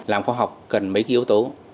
làm khoa học cần mấy yếu tố